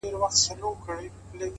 اخلاص د باور ستنې ټینګوي؛